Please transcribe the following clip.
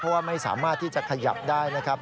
เพราะว่าไม่สามารถที่จะขยับได้นะครับ